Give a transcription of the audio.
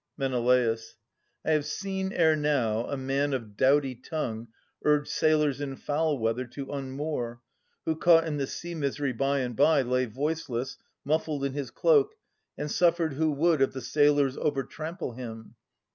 Men. I have seen ere now a man of doughty tongue Urge sailors in foul weather to unmoor, Who, caught in the sea misery by and by, Lay voiceless, muffled in his cloak, and suffered Who would of the sailors over trample him.